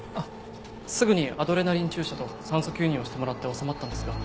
すぐにアドレナリン注射と酸素吸入をしてもらって治まったんですが。